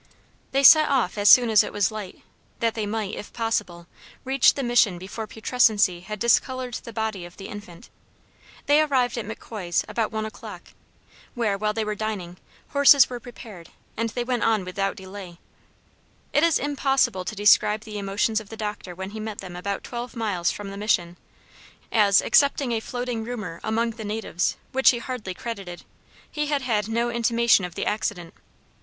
They set off as soon as it was light, that they might, if possible, reach the Mission before putrescency had discolored the body of the infant. They arrived at McKoy's about one o'clock, where, while they were dining, horses were prepared, and they went on without delay. It is impossible to describe the emotions of the doctor when he met them about twelve miles from the Mission, as, excepting a floating rumor among the natives, which he hardly credited, he had had no intimation of the accident.